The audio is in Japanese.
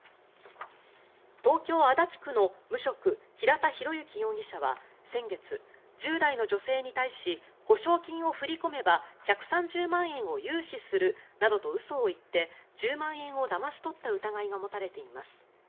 東京・足立区の無職平田博之容疑者は先月１０代の女性に対し保証金を振り込めば１３０万円を融資するなどと嘘を言って１０万円をだまし取った疑いが持たれています。